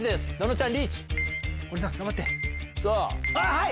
はい！